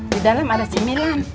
di dalam ada cimilan